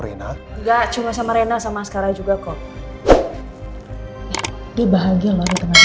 rita cuman sama rena sama sekarang juga kok nih dia bahagia lho colorful critik